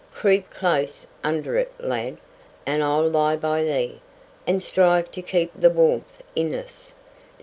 Creep close under it, lad, and I'll lie by thee, and strive to keep the warmth in us.